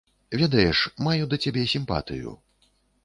Ведаеш, маю да цябе сімпатыю.